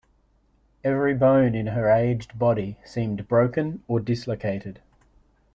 Every bone in her aged body seemed broken or dislocated.